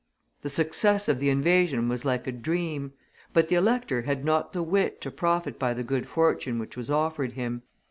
The success of the invasion was like a dream; but the elector had not the wit to profit by the good fortune which was offered him.